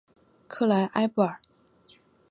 克莱埃布尔。